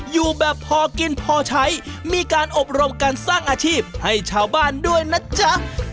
อยู่แบบพอกินพอใช้มีการอบรมการสร้างอาชีพให้ชาวบ้านด้วยนะจ๊ะ